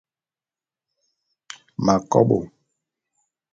M'akobô.